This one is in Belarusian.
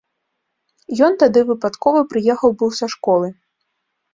Ён тады выпадкова прыехаў быў са школы.